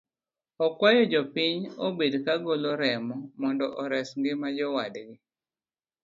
Okuayo jopiny obed ka golo remo mondo ores ngima jowadgi.